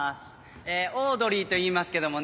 オードリーといいますけどもね。